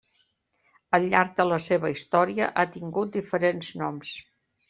Al llarg de la seva història ha tingut diferents noms.